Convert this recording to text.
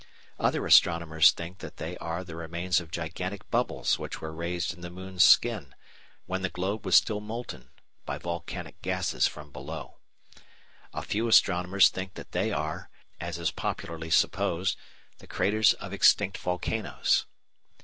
Other astronomers think that they are the remains of gigantic bubbles which were raised in the moon's "skin," when the globe was still molten, by volcanic gases from below. A few astronomers think that they are, as is popularly supposed, the craters of extinct volcanoes.